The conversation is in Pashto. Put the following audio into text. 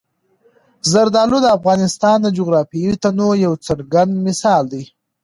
زردالو د افغانستان د جغرافیوي تنوع یو څرګند مثال دی.